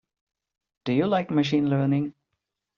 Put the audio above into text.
Do you like Machine Learning?